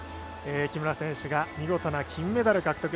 木村選手が見事な金メダル獲得。